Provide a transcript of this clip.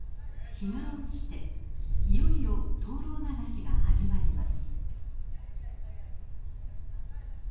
日が落ちていよいよ灯籠流しが始まります。